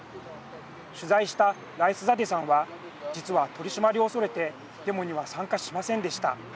取材したライスザデさんは実は取締りを恐れてデモには参加しませんでした。